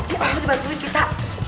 ya allah dibantuin kita